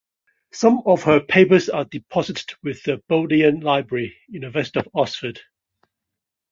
Some of her papers are deposited with the Bodleian Library, University of Oxford.